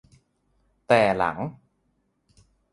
แต่หลัง